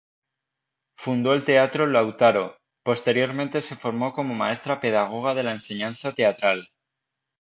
Fundó el Teatro Lautaro, posteriormente se formó como maestra pedagoga de la enseñanza teatral.